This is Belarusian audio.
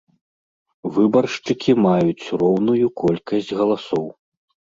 Выбаршчыкі маюць роўную колькасць галасоў.